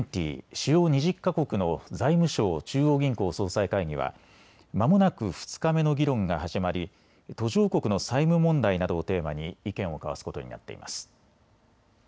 主要２０か国の財務相・中央銀行総裁会議はまもなく２日目の議論が始まり途上国の債務問題などをテーマに意見を交わすことになっています。